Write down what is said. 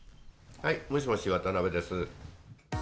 はい、もしもし、渡辺です。